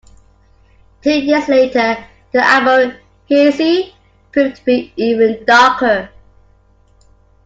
Two years later the album "Heresie" proved to be even darker.